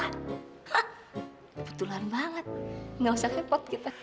hah kebetulan banget gak usah repot kita